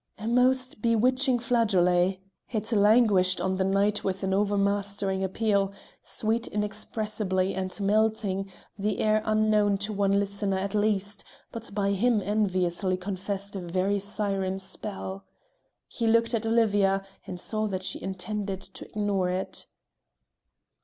A most bewitching flageolet! It languished on the night with an o'ermastering appeal, sweet inexpressibly and melting, the air unknown to one listener at least, but by him enviously confessed a very siren spell. He looked at Olivia, and saw that she intended to ignore it.